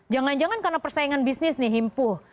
jangan jangan karena persaingan bisnis nih himpuh